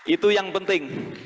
itu yang penting